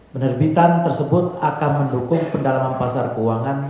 penerbitan tersebut akan mendukung pendalaman pasar keuangan